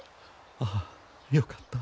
ああよかった。